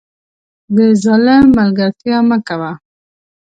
د ظالم ملګرتیا مه کوه